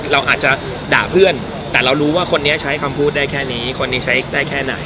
เราอาจจะด่าเพื่อนแต่เรารู้ว่าคนนี้ใช้คำพูดได้แค่นี้คนนี้ใช้ได้แค่ไหน